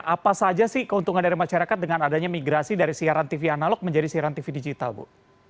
apa saja sih keuntungan dari masyarakat dengan adanya migrasi dari siaran tv analog menjadi siaran tv digital bu